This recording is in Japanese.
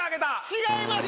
違う。